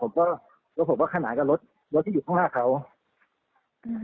ผมก็แล้วผมก็ขนาดกับรถรถที่อยู่ข้างหน้าเขาอืม